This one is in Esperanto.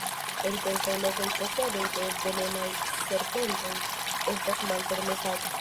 En kelkaj lokoj posedo de venenaj serpentoj estas malpermesata.